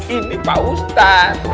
ini pak ustad